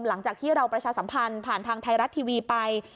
หลังจากที่เราประชาสัมพันธ์ผ่านทางไทยรัฐทีวีไป